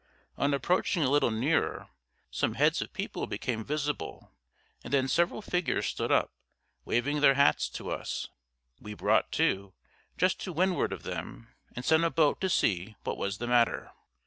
On approaching a little nearer, some heads of people became visible, and then several figures stood up, waving their hats to us. We brought to, just to windward of them, and sent a boat to see what was the matter.